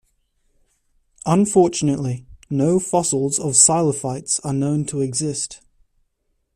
Unfortunately, no fossils of psilophytes are known to exist.